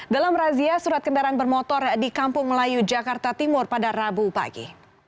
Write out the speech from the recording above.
dalam razia surat kendaraan bermotor di kampung melayu jakarta timur pada rabu pagi